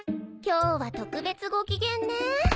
今日は特別ご機嫌ね。